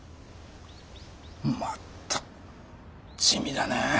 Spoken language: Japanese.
また地味だねぇ。